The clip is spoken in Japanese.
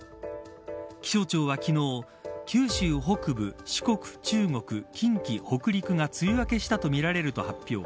気象庁は昨日九州北部、四国、中国近畿、北陸が梅雨明けしたとみられると発表。